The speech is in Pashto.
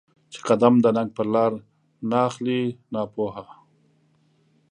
چې قـــــدم د ننــــــــګ په لار ناخلې ناپوهه